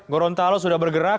gorontalo sudah bergerak